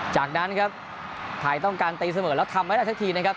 จากนั้นครับไทยต้องการตะอิดเสมอแล้วทำไม่ได้แทบที่เนี่ยครับ